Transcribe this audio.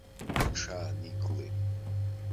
Иҽааникылеит.